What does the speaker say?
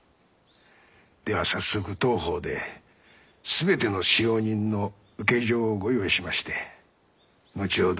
では早速当方で全ての使用人の請状をご用意しまして後ほど